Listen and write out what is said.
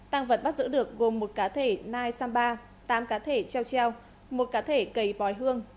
tăng vật bắt giữ được gồm một cá thể nai samba tám cá thể treo treo một cá thể cầy bói hương